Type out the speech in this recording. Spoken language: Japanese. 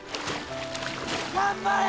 頑張れ！